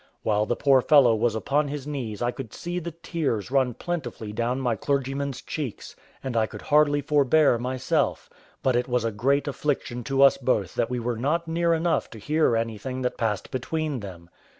While the poor fellow was upon his knees I could see the tears run plentifully down my clergyman's cheeks, and I could hardly forbear myself; but it was a great affliction to us both that we were not near enough to hear anything that passed between them.